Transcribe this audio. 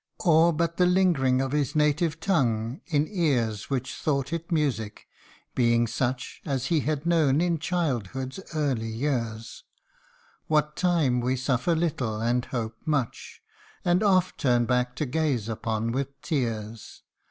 Or but the ling'ring of his native tongue In ears which thought it music ; being such As he had known in childhood's early years, 236 RECOLLECTIONS OF A FADED BEAUTY. What time we suffer little, and hope much ; And oft turn back to gaze upon with tears